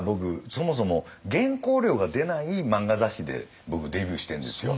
そもそも原稿料が出ない漫画雑誌で僕デビューしてんですよ。